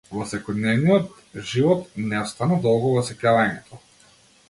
Во секојдневниот живот не остана долго во сеќавањето.